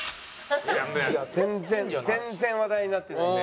全然全然話題になってないね。